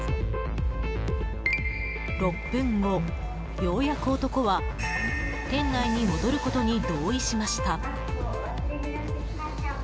６分後、ようやく男は店内に戻ることに同意しました。